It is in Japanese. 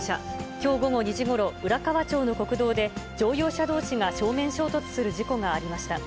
きょう午後２時ごろ、浦河町の国道で、乗用車どうしが正面衝突する事故がありました。